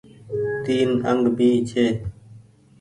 تين انگ ڀي ڇي۔